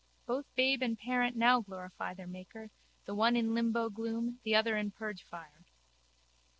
Both babe and parent now glorify their Maker, the one in limbo gloom, the other in purgefire.